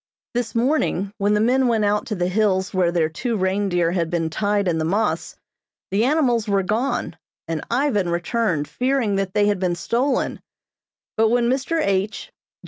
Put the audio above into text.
This morning when the men went out to the hills where their two reindeer had been tied in the moss, the animals were gone, and Ivan returned fearing that they had been stolen, but when Mr. H.